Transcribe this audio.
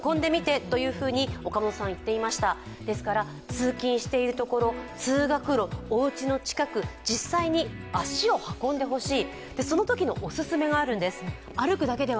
通勤しているところ、通学路おうちの近く実際に足を運んでほしい。